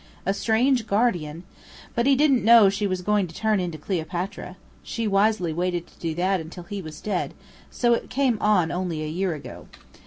A strange guardian! But he didn't know she was going to turn into Cleopatra. She wisely waited to do that until he was dead; so it came on only a year ago.